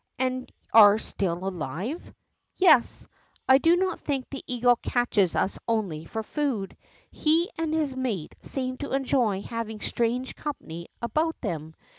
^ And are still alive ?'^ Yes ; I do not think the eagle catches us only for food. He and his mate seem to enjoy having strange company about them.